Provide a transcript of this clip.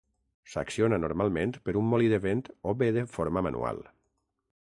S'acciona normalment per un molí de vent o bé de forma manual.